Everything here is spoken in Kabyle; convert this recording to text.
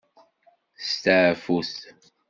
Steɛfut.